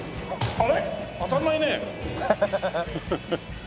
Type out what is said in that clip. あれ。